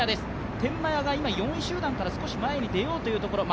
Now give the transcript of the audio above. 天満屋は４位集団から少し前に出ようというところ。